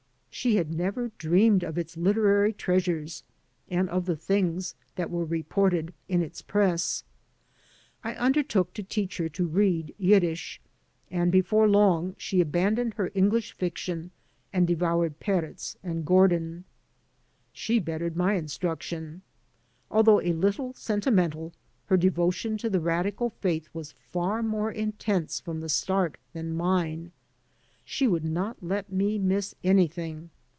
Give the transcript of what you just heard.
She had never dreamed of ltd literary treasures and of the things that were reported in its press. I undertook to teach her to read Yiddish; and before long she abandoned her English fiction and devoured Peretz and Gordin. She bettered my instruction. Although a little sentimental, her devotion to the radical faith was far more intense from the start than mine. She would not let me miss anything.